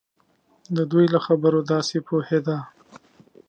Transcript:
د دوی له خبرو داسې پوهېده.